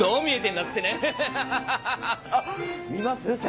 見ます？